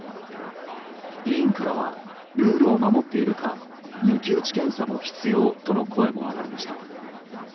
委員からはルールを守っているか抜き打ち検査も必要との声も上がりました。